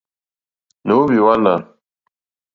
Nǒhwì hwánà.